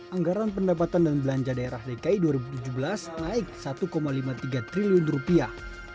anggaran pendapatan dan belanja daerah dki dua ribu tujuh belas naik satu lima puluh tiga triliun rupiah